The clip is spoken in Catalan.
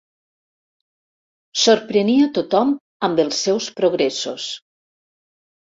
Sorprenia tothom amb els seus progressos.